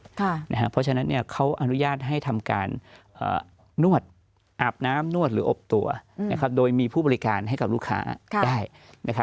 เพราะฉะนั้นเขาอนุญาตให้ทำการนวดอาบน้ำนวดหรืออบตัวโดยมีผู้บริการให้กับลูกค้าได้